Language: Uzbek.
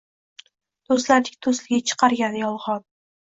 Do‘stlarning do‘stligi chiqarkan yolg‘on